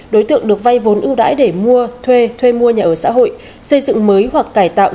đối tượng được vay vốn ưu đãi để mua thuê thuê mua nhà ở xã hội xây dựng mới hoặc cải tạo